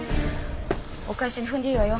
お返しに踏んでいいわよ。